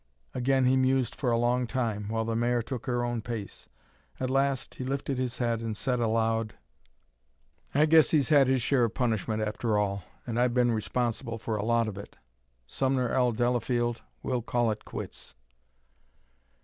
Again he mused, for a long time, while the mare took her own pace. At last he lifted his head and said aloud: "I guess he's had his share of punishment after all; and I've been responsible for a lot of it. Sumner L. Delafield, we'll call it quits!"